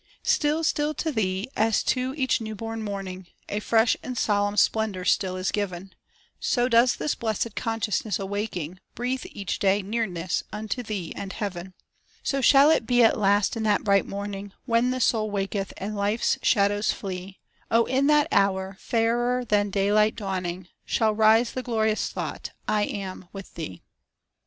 Still, still to Thee, as to each new born morning, A fresh and solemn splendor still is giv'n, So does this blessed consciousness awaking, Breathe each day nearness unto Thee and heav'n. So shall it be at last in that bright morning, When the soul waketh, and life's shadows flee; O in that hour, fairer than daylight dawning, Shall rise the glorious thought I am with Thee.